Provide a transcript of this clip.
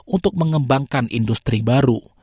untuk mengembangkan industri baru